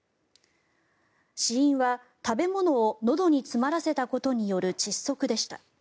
死因は、食べ物をのどに詰まらせたことによる窒息でした。